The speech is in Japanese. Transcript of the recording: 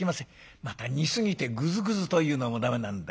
また煮すぎてグズグズというのも駄目なんだ。